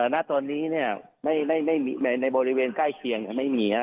ณตรนนี้ในบริเวณใกล้เคียงไม่มี